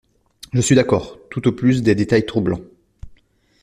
Je suis d’accord, tout au plus des détails troublants.